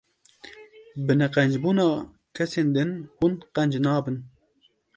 Bi neqencbûna kesên din, hûn qenc nabin.